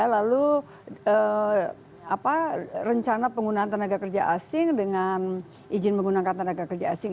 lalu rencana penggunaan tenaga kerja asing dengan izin menggunakan tenaga kerja asing